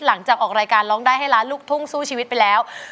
หลังจากออกรายการร้องได้ให้ล้านลูกทุ่งสู้ชีวิตไปแล้ว